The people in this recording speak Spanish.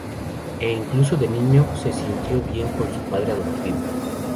E incluso, de niño, se sintió bien con su padre adoptivo.